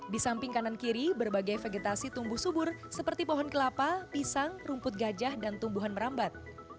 di samping kanan kiri berbagai vegetasi tumbuh subur seperti pohon kelapa pisang rumput gajah dan tumbuhan merambat